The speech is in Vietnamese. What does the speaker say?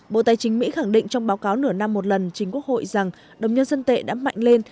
bộ tài chính mỹ khẳng định trong báo cáo nửa năm một lần chính quốc hội rằng đồng nhân dân tệ đã mạnh lên